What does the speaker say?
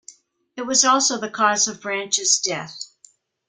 It was also the cause of Branch's death.